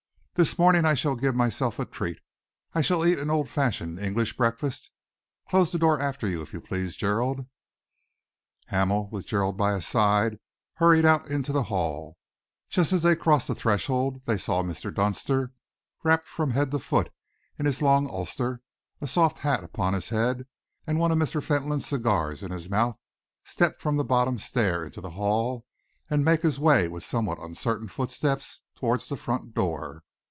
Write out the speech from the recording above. This morning I shall give myself a treat. I shall eat an old fashioned English breakfast. Close the door after you, if you please, Gerald." Hamel, with Gerald by his side, hurried out into the hall. Just as they crossed the threshold they saw Mr. Dunster, wrapped from head to foot in his long ulster, a soft hat upon his head and one of Mr. Fentolin's cigars in his mouth, step from the bottom stair into the hall and make his way with somewhat uncertain footsteps towards the front door.